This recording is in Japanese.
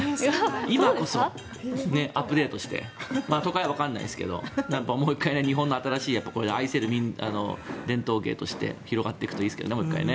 今こそ、アップデートして都会はわかりませんがもう１回日本の新しい愛せる伝統芸能としてもう１回広がっていくといいですけどね。